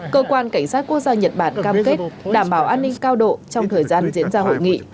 cơ quan cảnh sát quốc gia nhật bản cam kết đảm bảo an ninh cao độ trong thời gian diễn ra hội nghị